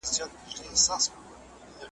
محتسب به رنځ وهلی په حجره کي پروت بیمار وي .